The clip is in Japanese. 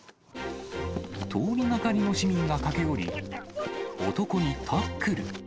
通りがかりの市民が駆け寄り、男にタックル。